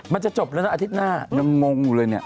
มันจะจบแล้วนะอาทิตย์หน้ายังงงอยู่เลยเนี่ย